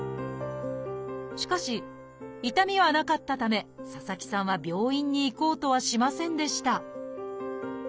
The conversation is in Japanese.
しかし痛みはなかったため佐々木さんは病院に行こうとはしませんでした